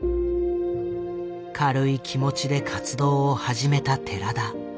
軽い気持ちで活動を始めた寺田。